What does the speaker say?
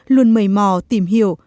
luôn mầy mò tìm hiểu